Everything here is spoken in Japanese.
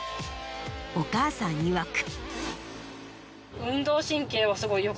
お母さんいわく。